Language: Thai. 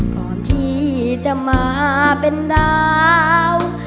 ก่อนที่จะมาเป็นดาว